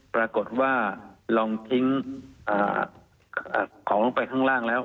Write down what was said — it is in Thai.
ปรากฏว่าลองทิ้งของลงไปข้างล่างแล้ว